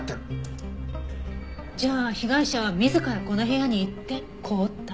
じゃあ被害者は自らこの部屋に行って凍った。